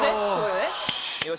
よし！